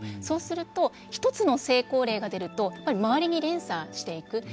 そうすると１つの成功例が出ると周りに連鎖していく。